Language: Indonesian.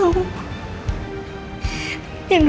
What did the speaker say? aku juga takut kalo rena tau